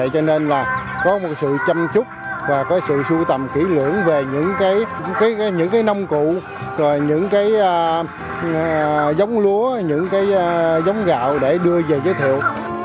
cho nên là có một sự chăm chúc và có sự sưu tầm kỹ lưỡng về những cái nông cụ những cái giống lúa những cái giống gạo để đưa về giới thiệu